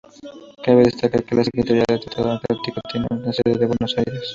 Cabe destacar que la Secretaría del Tratado Antártico tiene su sede en Buenos Aires.